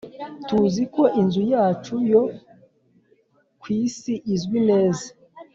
Tuzi ko inzu yacu yo ku isi izwi neza